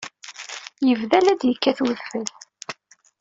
Yebda la d-yekkat udfel.